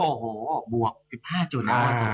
โอ้โหบวก๑๕จด